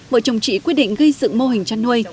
vợ chồng chị quyết định gây dựng mô hình chăn nuôi